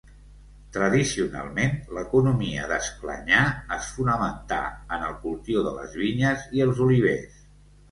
Tradicionalment l'economia d'Esclanyà es fonamentà en el cultiu de les vinyes i els olivers.